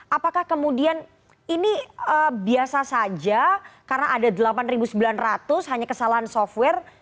apakah kemudian ini biasa saja karena ada delapan sembilan ratus hanya kesalahan software